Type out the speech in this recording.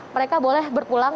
mereka boleh berpulang